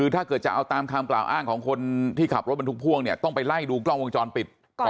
ถ้าเกิดจะเอาตามคำกล่าวอ้างของคนที่ขับรถบรรทุกพ่วงเนี่ยต้องไปไล่ดูกล้องวงจรปิด